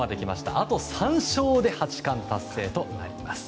あと３勝で八冠達成となります。